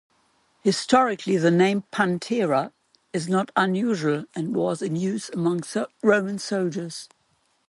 Historically, the name Pantera is not unusual and was in use among Roman soldiers.